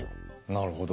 なるほど。